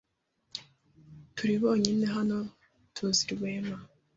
Turi bonyine hano tuzi Rwema.